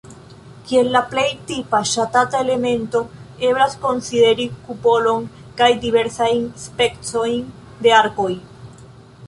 Kiel la plej tipa ŝatata elemento eblas konsideri kupolon kaj diversajn specojn de arkoj.